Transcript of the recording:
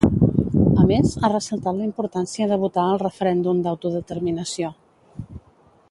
A més, ha ressaltat la importància de votar al referèndum d'autodeterminació